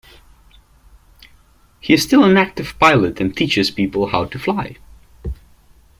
He is still an active pilot and teaches people how to fly.